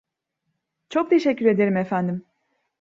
Çok teşekkür ederim efendim.